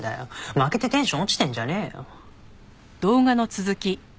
負けてテンション落ちてんじゃねえよ。